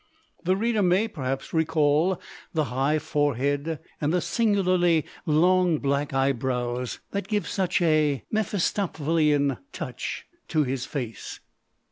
The reader may, perhaps, recall the high forehead and the singularly long black eyebrows that give such a Mephistophelian touch to his face.